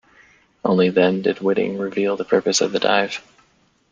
Only then did Whiting reveal the purpose of the dive.